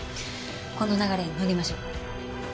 この流れにのりましょう。